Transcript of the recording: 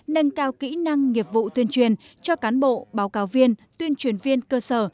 nâng cao kỹ năng nghiệp vụ tuyên truyền cho cán bộ báo cáo viên tuyên truyền viên cơ sở